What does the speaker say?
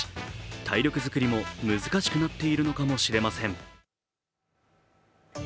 体力作りも難しくなっているのかもしれません。